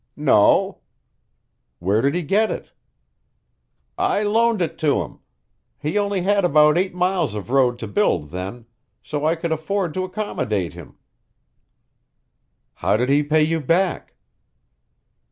"No." "Where did he get it?" "I loaned it to him. He only had about eight miles of road to build then, so I could afford to accommodate him." "How did he pay you back?"